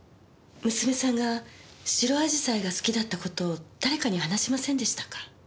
娘さんが白紫陽花が好きだった事を誰かに話しませんでしたか？